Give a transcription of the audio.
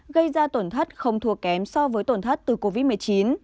gây ra tổn thất không thua kém so với tổn thất từ covid một mươi chín